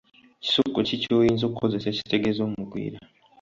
Kisoko ki kyoyinza okukoseza ekitegeeza Omugwira?.